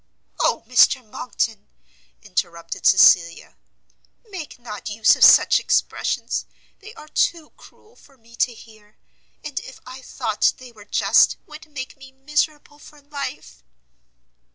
"O Mr Monckton!" interrupted Cecilia, "make not use of such expressions! they are too cruel for me to hear, and if I thought they were just, would make me miserable for life!"